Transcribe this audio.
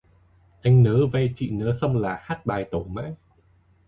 Anh nớ ve chị nớ xong là hát bài tẩu mã